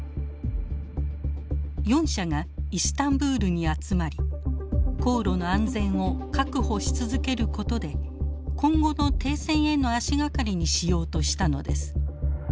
４者がイスタンブールに集まり航路の安全を確保し続けることで今後の停戦への足掛かりにしようとしたのです。